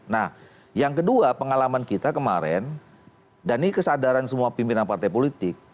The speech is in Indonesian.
nah yang kedua pengalaman kita kemarin dan ini kesadaran semua pimpinan partai politik